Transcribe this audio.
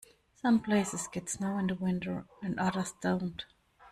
Some places get snow in the winter and others don't.